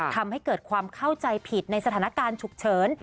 ทำให้เกิดความเข้าใจผิดในสถานการณ์ฉุกเฉิน